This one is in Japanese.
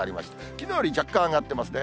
きのうより若干上がってますね。